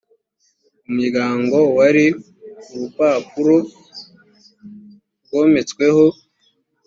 umuryango wari ku rupapuro rwometsweho